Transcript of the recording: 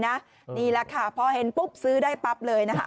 นี่แหละค่ะพอเห็นปุ๊บซื้อได้ปั๊บเลยนะคะ